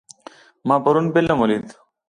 ما پرون فلم ولید.